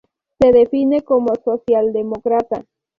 Se define como socialdemócrata.